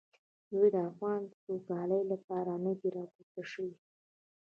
دوی د افغان سوکالۍ لپاره نه دي راپورته شوي.